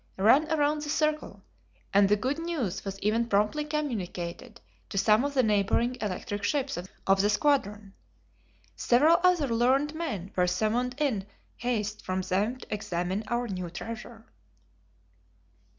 ran around the circle, and the good news was even promptly communicated to some of the neighboring electric ships of the squadron. Several other learned men were summoned in haste from them to examine our new treasure.